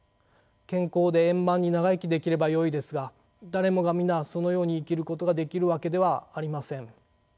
健康で円満に長生きできればよいですが誰もが皆そのように生きることができるわけではありません。